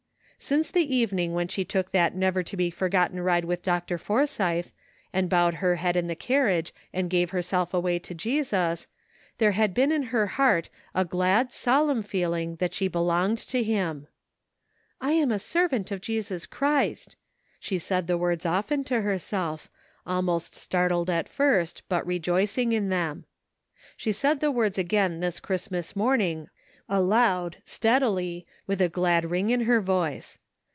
Since the evening when she took that never to be forgotten ride with Dr. Forsythe, and bowed her head in the carriage and gave her self away to Jesus, there had been in her heart a glad solemn feeling that she belonged to him. '' I am a servant of Jesus Christ." She said the words often to herself, almost startled at first, but rejoicing in them. She said the words again this Christmas morning aloud steadily, with a glad ring in her voice.